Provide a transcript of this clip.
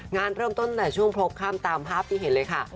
งานเริ่มต้นแต่ช่วงโพลกข้ามตามภาพที่เห็นเลยค่ะ